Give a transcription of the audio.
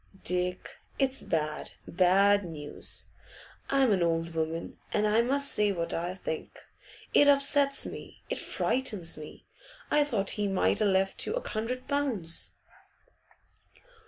'Dick, it's bad, bad news! I'm an old woman, and I must say what I think. It upsets me; it frightens me. I thought he might a' left you a hundred pounds.